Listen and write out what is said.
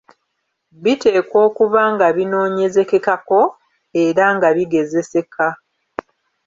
Biteekwa okuba nga binoonyerezekekako era nga bigezeseka.